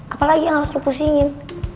apalagi yang harus lo pusingin